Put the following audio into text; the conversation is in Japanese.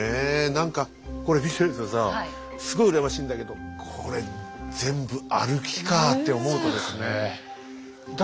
何かこれ見てるとさすごい羨ましいんだけどこれ全部歩きかって思うとですね。